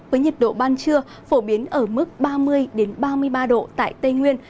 với nhiệt độ ban trưa phổ biến ở mức ba mươi ba mươi ba độ tại tây nguyên